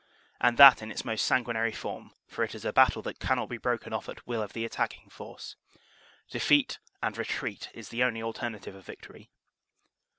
And that in its most sanguinary form, for it is a battle that can not be broken off at will of the attacking force. Defeat and retreat is the only alternative of victory.